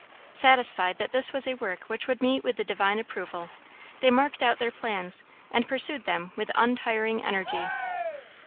Satisfied that this was a work which would meet with the Divine approval, they marked out their plans and pursued them with untiring energy.